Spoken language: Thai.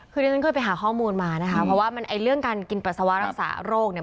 คือที่ฉันเคยไปหาข้อมูลมานะคะเพราะว่ามันไอ้เรื่องการกินปัสสาวะรักษาโรคเนี่ย